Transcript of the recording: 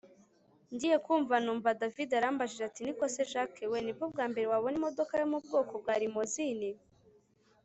ngiye kumva numva david arambajije ati niko se jack we! nibwo bwambere wabona imodoka yo mubwoko bwa rimozini